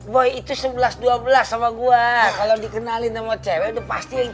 boy itu sebelas dua belas sama gua kalau dikenalin sama cewek itu pasti yang cantik